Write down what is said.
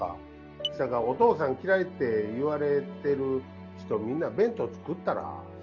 そやからお父さん嫌いって言われてる人みんな弁当作ったら？